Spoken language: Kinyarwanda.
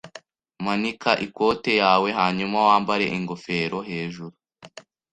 Manika ikote yawe hanyuma wambare ingofero hejuru.